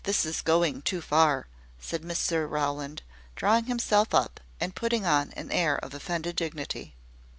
this is going too far," said Mr Rowland, drawing himself up, and putting on an air of offended dignity.